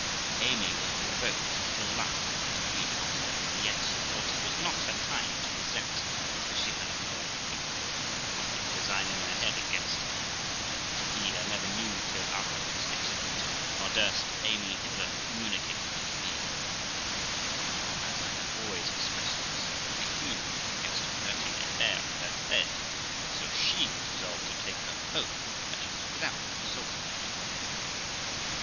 Amy was provoked to the last degree at her, and yet she thought it was not her time to resent, because she had a more fatal and wicked design in her head against her; which, indeed, I never knew till after it was executed, nor durst Amy ever communicate it to me; for, as I had always expressed myself vehemently against hurting a hair of her head, so she was resolved to take her own measures without consulting me any more.